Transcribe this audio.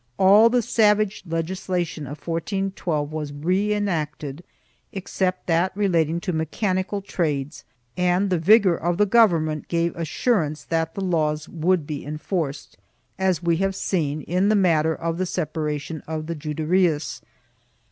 all the savage legislation of 1412 was re enacted, except that relating to mechanical trades, and the vigor of the government gave assurance that the laws would be enforced, as we have seen in the matter of the separation of the Juderias.